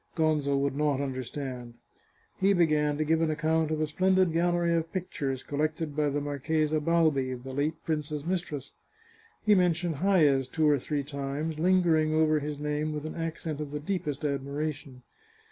Gonzo would not understand. He began to give an account of a splendid gallery of pictures collected by the Marchesa Balbi, the late prince's mistress. He men tioned Hayez two or three times, lingering over his name with an accent of the deepest admiration.